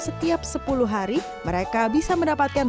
setiap sepuluh hari mereka bisa mendapatkan